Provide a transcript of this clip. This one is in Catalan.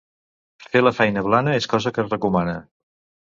Fer la feina blana, és cosa que es recomana.